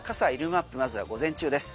マップまずは午前中です。